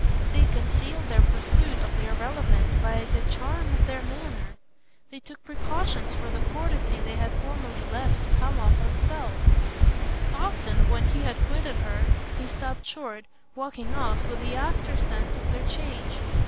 They concealed their pursuit of the irrelevant by the charm of their manner; they took precautions for the courtesy they had formerly left to come of itself; often, when he had quitted her, he stopped short, walking off, with the aftersense of their change.